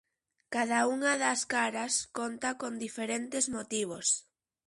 Cada unha das caras conta con diferentes motivos.